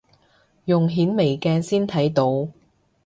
用顯微鏡先睇到